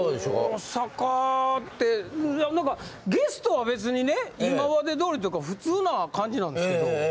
大阪って、なんかゲストは別にね、今までどおりっていうか、普通な感じなんですけど。